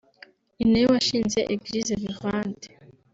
ni na we washinze Eglise Vivante